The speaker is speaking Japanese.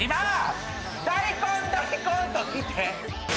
大根、大根ときて。